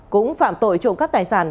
cũng phạm tội trộm cắt tài sản